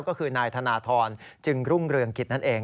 ก็คือนายธนทรจึงรุ่งเรืองกิจนั่นเอง